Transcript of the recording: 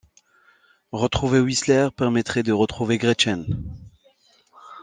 Retrouver Whistler permettrait de retrouver Gretchen.